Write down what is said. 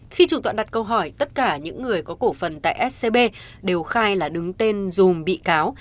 khi chủ tọa đặt câu hỏi tất cả những người có cổ phần tại scb đều khai là đứng tên dùm bị cáo